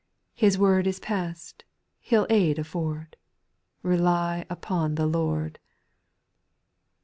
His word is pass'd, he '11 aid afford, — Rely upon the Lord.